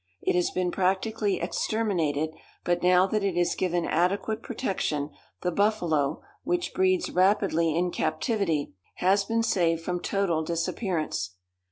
It has been practically exterminated, but now that it is given adequate protection, the buffalo, which breeds rapidly in captivity, has been saved from total disappearance.